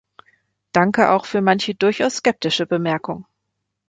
Danke auch für manche durchaus skeptische Bemerkung.